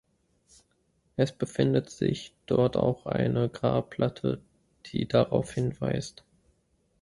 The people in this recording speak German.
Es befindet sich dort auch eine Grabplatte, die darauf hinweist.